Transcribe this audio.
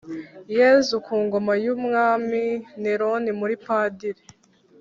yezu ku ngoma y’umwami neron muri padiri